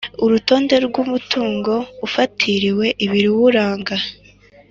Urutonde rw umutungo ufatiriwe ibiwuranga